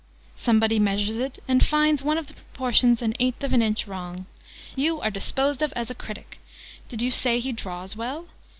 Somebody measures it, and finds one of the proportions an eighth of an inch wrong. You are disposed of as a critic! 'Did you say he draws well?'